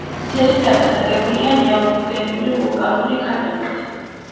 ძირითადად აგებულია ნეოგენური ვულკანური ქანებით.